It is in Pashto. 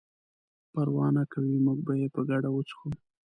پروا نه کوي موږ به یې په ګډه وڅښو.